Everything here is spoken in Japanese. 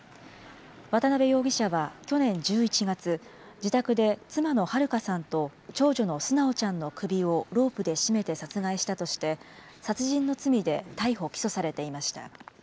渡辺容疑者は去年１１月、自宅で妻の春香さんと、長女の純ちゃんの首をロープで絞めて殺害したとして、殺人の罪で逮捕・起訴されていました。